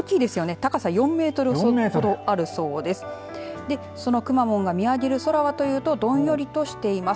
高さ４メートルほどあるそうです。